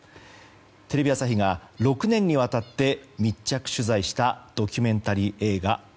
テレビ朝日が６年にわたって密着取材したドキュメンタリー映画。